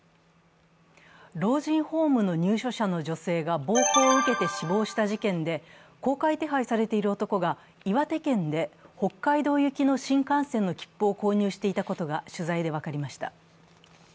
老人ホームの入所者の女性が暴行を受けて死亡した事件で、公開手配されている男が岩手県で北海道行きの新幹線の切符を購入していたことが取材で分かりました。